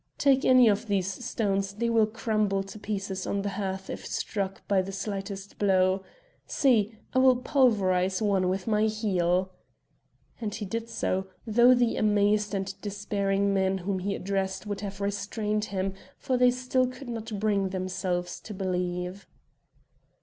"Take any of these stones; they will crumble to pieces on the hearth if struck the slightest blow. See, I will pulverise one with my heel." And he did so, though the amazed and despairing men whom he addressed would have restrained him, for they still could not bring themselves to believe.